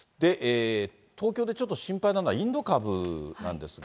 東京でちょっと心配なのはインド株なんですが。